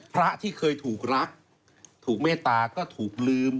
พระที่เคยถูกรักถูกเมตตาก็ถูกลืม